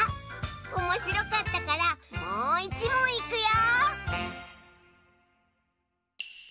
おもしろかったからもういちもんいくよ。